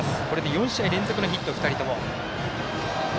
４試合連続のヒット、２人とも。